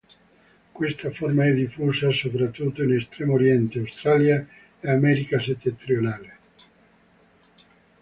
Questa forma è diffusa soprattutto in estremo oriente, Australia e America settentrionale.